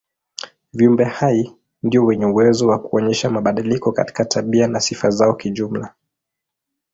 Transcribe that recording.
Viumbe hai ndio wenye uwezo wa kuonyesha mabadiliko katika tabia na sifa zao kijumla.